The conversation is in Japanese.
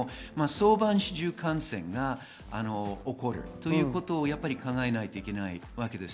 市中感染が起こるということを考えないといけないわけです。